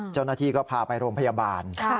เจ้าหน้าที่ก็พาไปโรงพยาบาล